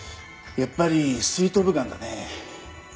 やっぱり膵頭部がんだね。